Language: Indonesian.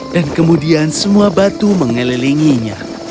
dan kemudian semua batu mengelilinginya